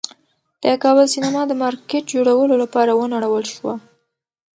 د کابل سینما د مارکېټ جوړولو لپاره ونړول شوه.